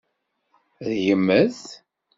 Ad yemmet.